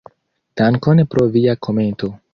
Dankon pro via komento.